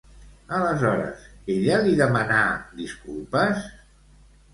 Aleshores, ella li demanà disculpes?